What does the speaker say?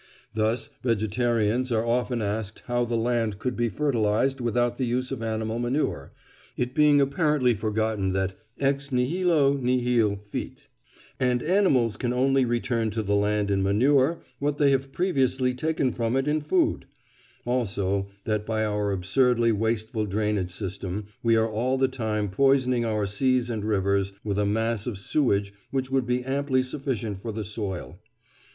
Thus, vegetarians are often asked how the land could be fertilised without the use of animal manure, it being apparently forgotten that ex nihilo nihil fit, and that animals can only return to the land in manure what they have previously taken from it in food; also that by our absurdly wasteful drainage system we are all the time poisoning our seas and rivers with a mass of sewage which would be amply sufficient for the soil.